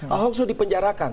ahok sudah dipenjarakan